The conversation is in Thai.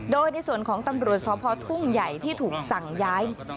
โดยในส่วนของตำรวจสพทุ่งใหญ่ที่ถูกสั่งย้าย